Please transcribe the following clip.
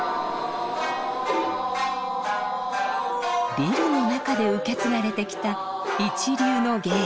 ビルの中で受け継がれてきた一流の芸。